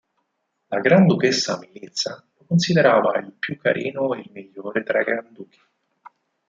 La granduchessa Militsa lo considerava "il più carino ed il migliore tra i granduchi".